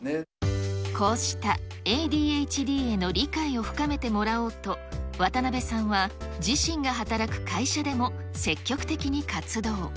こうしたＡＤＨＤへの理解を深めてもらおうと、渡辺さんは自身が働く会社でも積極的に活動。